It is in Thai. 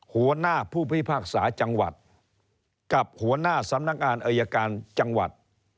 หัวหน้าผู้พิพากษาจังหวัดกับหัวหน้าสำนักงานอายการจังหวัด